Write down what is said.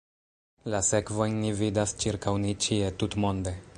La sekvojn ni vidas ĉirkaŭ ni ĉie, tutmonde.